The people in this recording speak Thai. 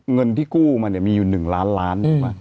เงินที่กู้มาเนี่ยมีอยู่๑ล้านล้าน